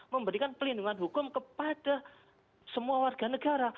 memberikan pelindungan hukum kepada semua warga negara